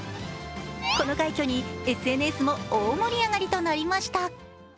この快挙に、ＳＮＳも大盛り上がりとなりました。